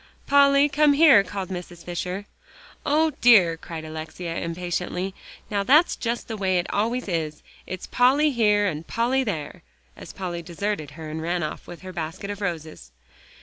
"Polly, come here," called Mrs. Fisher. "O dear!" cried Alexia impatiently, "now that's just the way it always is. It's Polly here, and Polly there," as Polly deserted her and ran off with her basket of roses.